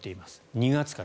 ２月から。